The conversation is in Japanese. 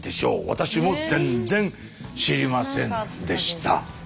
私も全然知りませんでした。